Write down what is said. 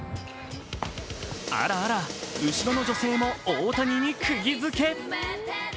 あらあら、後ろの女性も大谷にくぎづけ。